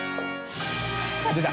出た。